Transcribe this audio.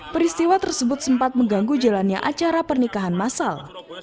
peristiwa tersebut sempat mengganggu jalannya acara pernikahan masal